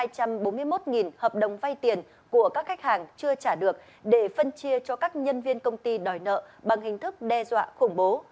công ty nhận từ hai trăm bốn mươi một hợp đồng vay tiền của các khách hàng chưa trả được để phân chia cho các nhân viên công ty đòi nợ bằng hình thức đe dọa khủng bố